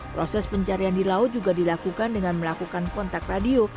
proses pencarian di laut juga dilakukan dengan melakukan kontak radio